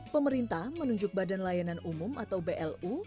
pemerintah menunjuk badan layanan umum atau blu